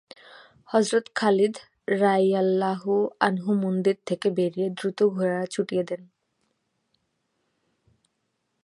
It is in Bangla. হযরত খালিদ রাযিয়াল্লাহু আনহু মন্দির থেকে বেরিয়ে দ্রুত ঘোড়া ছুটিয়ে দেন।